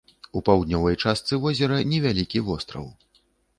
У паўднёвай частцы возера невялікі востраў.